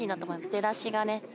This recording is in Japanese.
出だしがね。